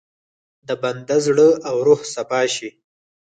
د بنده زړه او روح صفا شي.